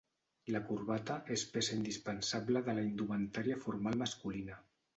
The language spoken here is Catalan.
La corbata és peça indispensable de la indumentària formal masculina.